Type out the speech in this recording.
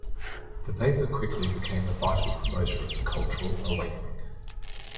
The paper quickly became a vital promoter of the cultural awakening.